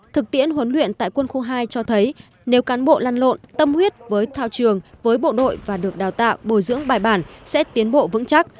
thực tiễn huấn luyện tại quân khu hai cho thấy nếu cán bộ lăn lộn tâm huyết với thao trường với bộ đội và được đào tạo bồi dưỡng bài bản sẽ tiến bộ vững chắc